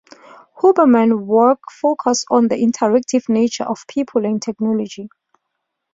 Hoberman work focuses on the interactive nature of people and technology.